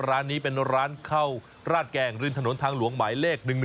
ร้านนี้เป็นร้านข้าวราดแกงริมถนนทางหลวงหมายเลข๑๑